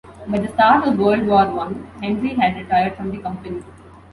By the start of World War One Henry had retired from the Company.